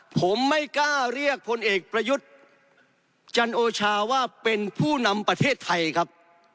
ผมไม่กล้าเรียกพลเอกประยุทธ์จันโอชาว่าเป็นผู้นำประเทศไทยครับ